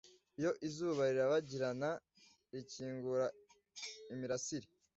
iyo izuba rirabagirana rikingura imirasire